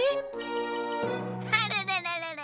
ほるるるるる。